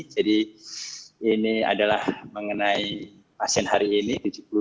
jadi ini adalah mengenai pasien hari ini tujuh puluh delapan